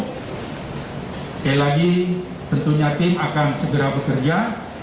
sekali lagi tentunya tim akan segera bekerja